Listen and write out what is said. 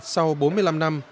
sau bốn mươi năm năm